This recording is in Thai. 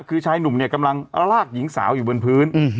คือชายหนุ่มเนี่ยกำลังลากหญิงสาวอยู่บนพื้น